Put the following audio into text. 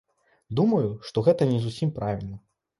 Думаю, што гэта не зусім правільна.